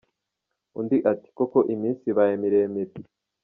Undi ati “Koko iminsi ibaye miremire.